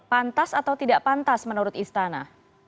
pantas atau tidak pantas menurut istana